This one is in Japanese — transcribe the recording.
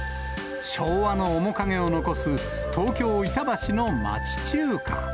昭和の面影を残す、東京・板橋の町中華。